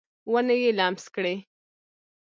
ونې یې لمس کړي